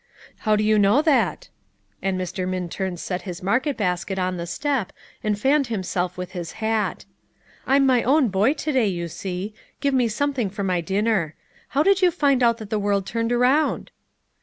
"How do you know that?" and Mr. Minturn set his market basket on the step, and fanned himself with his hat. "I'm my own boy to day, you see; give me something for my dinner. How did you find out that the world turned around?"